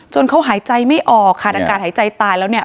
เขาหายใจไม่ออกขาดอากาศหายใจตายแล้วเนี่ย